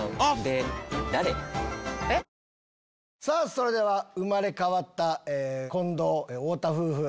それでは生まれ変わった近藤・太田夫婦。